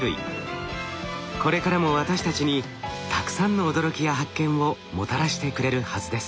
これからも私たちにたくさんの驚きや発見をもたらしてくれるはずです。